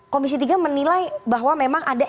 komisi tiga menilai bahwa memang ada